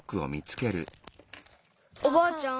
おばあちゃん。